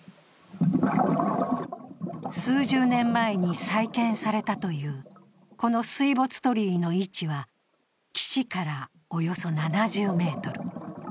数十年前に再建されたというこの水没鳥居の位置は岸からおよそ７０ｍ。